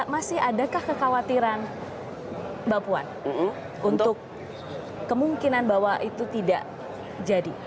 masih adakah kekhawatiran mbak puan untuk kemungkinan bahwa itu tidak jadi